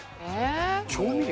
調味料？